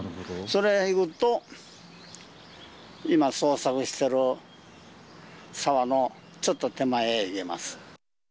それ行くと、今、捜索してる沢のちょっと手前に行けます。